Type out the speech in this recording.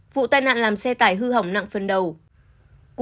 vụ tai nạn làm xe tải hư hỏng nặng phần đầu